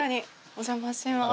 お邪魔します